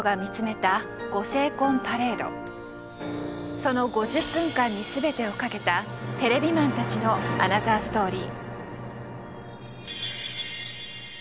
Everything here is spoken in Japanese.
その５０分間に全てを懸けたテレビマンたちのアナザーストーリー。